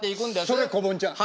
それこぼんちゃん。